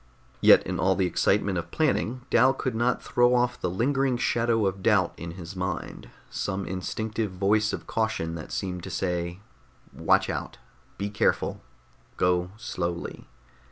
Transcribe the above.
Yet in all the excitement of planning, Dal could not throw off the lingering shadow of doubt in his mind, some instinctive voice of caution that seemed to say _watch out, be careful, go slowly!